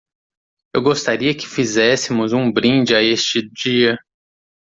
Eu gostaria que fizéssemos um brinde a este dia